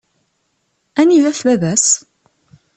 Anida-t baba-s?